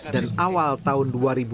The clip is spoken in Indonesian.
dan awal tahun dua ribu delapan belas